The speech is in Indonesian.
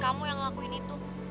kamu yang ngelakuin itu